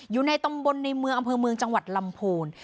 อยู่ในตำบลในเมืองอำเภอเมืองจังหวัดลำพูน